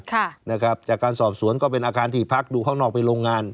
ค่ะนะครับจากการสอบสวนก็เป็นอาคารที่พักดูข้างนอกเป็นโรงงาน